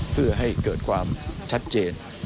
เพื่อให้เกิดความชัดเจน